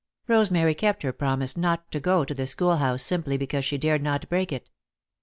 Rosemary kept her promise not to go to the schoolhouse simply because she dared not break it.